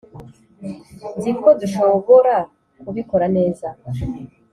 nzi ko dushobora kubikora neza,